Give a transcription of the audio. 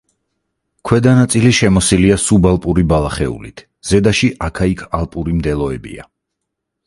ქვედა ნაწილი შემოსილია სუბალპური ბალახეულით, ზედაში აქა-იქ ალპური მდელოებია.